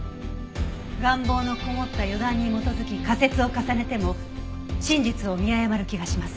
願望のこもった予断に基づき仮説を重ねても真実を見誤る気がします。